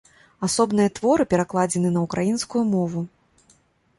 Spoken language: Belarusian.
Асобныя творы перакладзены на ўкраінскую мову.